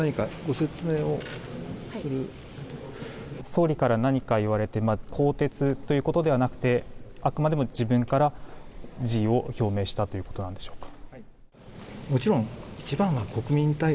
総理から何か言われて更迭ということではなくてあくまでも自分から辞意を表明したということでしょうか。